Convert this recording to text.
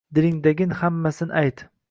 Dilingdagin hammmasin ayt!